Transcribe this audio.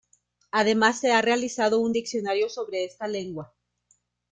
Además, se ha realizado un diccionario sobre esta lengua.